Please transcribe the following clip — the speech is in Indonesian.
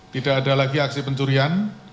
tidak ada lagi aksi pencurian